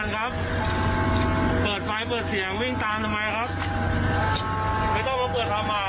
ไม่ต้องมาเปิดหมากครับ